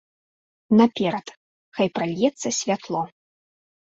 Наперад, хай пральецца святло!